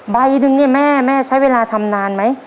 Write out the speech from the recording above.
ใบหนึ่งเนี่ยแม่แม่ใช้เวลาทำนานไหม